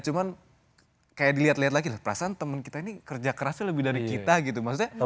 cuman kayak dilihat lihat lagi perasaan temen kita ini kerja kerasnya lebih dari kita gitu maksudnya